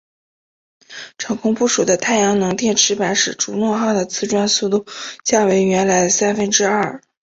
成功布署的太阳能电池板使朱诺号的自转速度降为原来的三分之二。